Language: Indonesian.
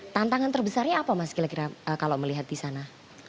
tantangan terbesarnya apa mas kira kira kalau melihat di sana